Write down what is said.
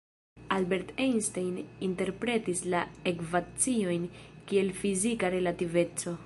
Albert Einstein interpretis la ekvaciojn kiel fizika relativeco.